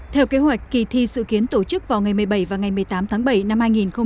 theo kế hoạch kỳ thi sự kiến tổ chức vào ngày một mươi bảy và ngày một mươi tám tháng bảy năm hai nghìn hai mươi